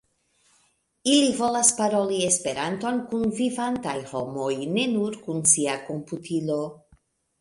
Ili volas paroli Esperanton kun vivantaj homoj, ne nur kun sia komputilo.